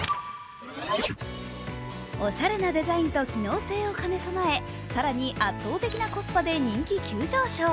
おしゃれなデザインと機能性を兼ね備え更に圧倒的なコスパで人気急上昇。